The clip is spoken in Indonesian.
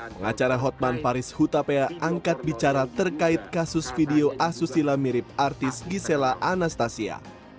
pengacara hotman paris hutapea angkat bicara terkait kasus video asusila mirip artis gisela anastasia